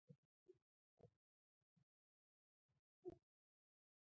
چارلېز ټایلر په سیریلیون کې کورنۍ جګړه رهبري کوله.